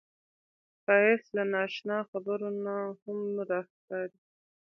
ښایست له نا اشنا خبرو نه هم راښکاري